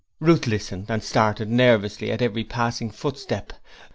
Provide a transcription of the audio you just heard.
Ruth listened and started nervously at every passing footstep.